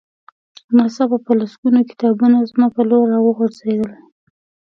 ناڅاپه په لسګونه کتابونه زما په لور را وغورځېدل